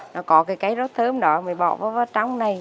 nó có cái rau thơm đó mình bỏ vào trong này